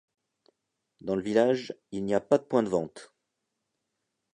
Dans le village, il n'y a pas de points de vente.